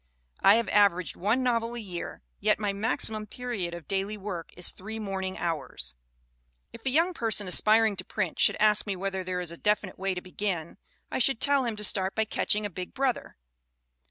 I have averaged one novel a year, yet my maximum period of daily work is three morning hours. "If a young person aspiring to print should ask me whether there is a definite way to begin, I should tell him to start by catching a big brother.